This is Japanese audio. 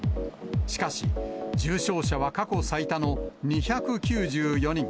しかし、重症者は過去最多の２９４人。